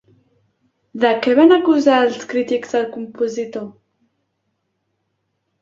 De què van acusar els crítics al compositor?